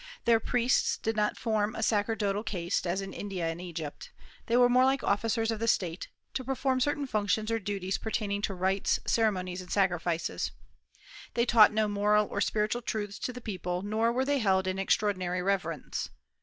Their priests did not form a sacerdotal caste, as in India and Egypt; they were more like officers of the state, to perform certain functions or duties pertaining to rites, ceremonies, and sacrifices. They taught no moral or spiritual truths to the people, nor were they held in extraordinary reverence.